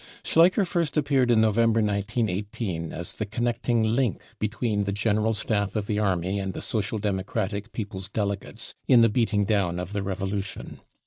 Schleicher first appeared in November 1918 as the connecting link between the General Staff of the army and the Social Democratic people's delegates in the beating down of the revolution.